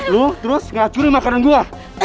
lu terus gak curi makanan gue